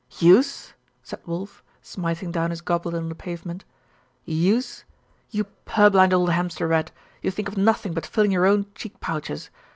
'Use?' said Wulf, smiting down his goblet on the pavement. 'Use? you purblind old hamster rat, who think of nothing but filling your own cheek pouches!